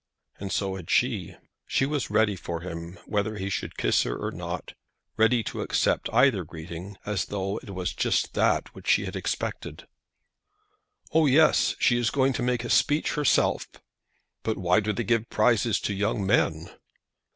And so had she. She was ready for him, whether he should kiss her or not, ready to accept either greeting, as though it was just that which she had expected. "Oh, yes; she is going to make a speech herself." "But why do they give prizes to young men?"